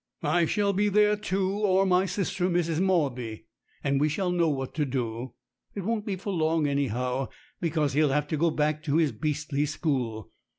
"I shall be there too or my sister, Mrs. Mawby and we shall know what to do. It won't be for long anyhow, because he'll have to go back to his beastly school.